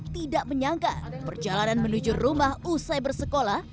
tidak menyangka perjalanan menuju rumah usai bersekolah